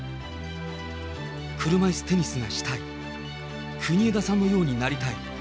車いすテニスがしたい、国枝さんのようになりたい。